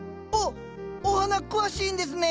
おお花詳しいんですね。